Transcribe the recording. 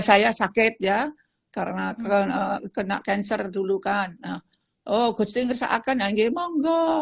saya sakit ya karena kena kena cancer dulu kan oh ghosting ngerasa akan tanggi monggo